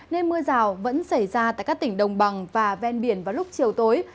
nên mưa rào vẫn xảy ra tại các tỉnh đồng bằng và ven biển vào lúc chiều tối